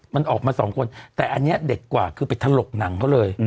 มันออกมาสองคนแต่อันนี้เด็ดกว่าคือไปถลกหนังเขาเลย